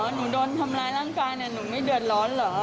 หนูโดนทำร้ายร่างกายหนูไม่เดือดร้อนเหรอ